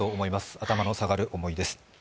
頭の下がる思いです。